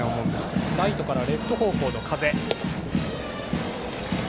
ライトからレフト方向の風。